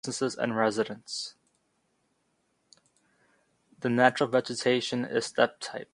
She also had lacy leggings and crucifixes around her ear and her neck.